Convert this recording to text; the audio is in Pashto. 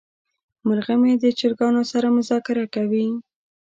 مرغه مې د چرګانو سره مذاکره کوي.